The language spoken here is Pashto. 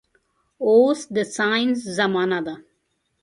اوس د ساينس زمانه ده